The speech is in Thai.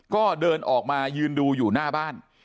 ก็เดินออกมายืนดูอยู่หน้าบ้าน